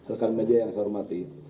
rekan media yang saya hormati